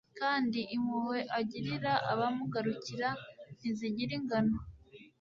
kandi impuhwe agirira abamugarukira ntizigira ingano